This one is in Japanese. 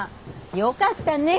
よかったねえ。